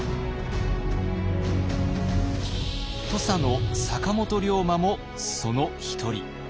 土佐の坂本龍馬もその一人。